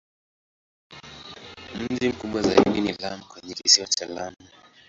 Mji mkubwa zaidi ni Lamu kwenye Kisiwa cha Lamu.